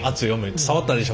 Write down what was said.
伝わったでしょうか。